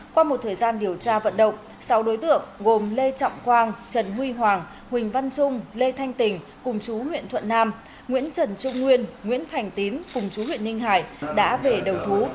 qua một thời gian điều tra vận động sáu đối tượng gồm lê trọng quang trần huy hoàng huỳnh văn trung lê thanh tình cùng chú huyện thuận nam nguyễn trần trung nguyên nguyễn thành tín cùng chú huyện ninh hải đã về đầu thú